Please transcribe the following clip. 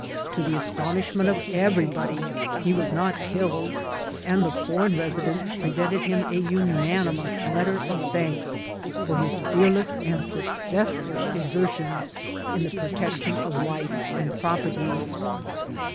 To the astonishment of everybody, be was not killed ; and the foreign residents presented him a unanimous letter of thanks for his fear^ less and sueoessfiil exertions in the protectioii of life and property.